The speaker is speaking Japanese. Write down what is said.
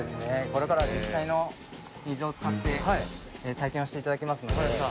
これから実際の水を使って体験をしていただきますので。